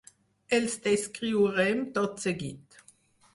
Els descriurem tot seguit.